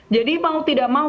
jadi mau tidak mau